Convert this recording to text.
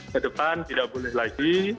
kedepan tidak boleh lagi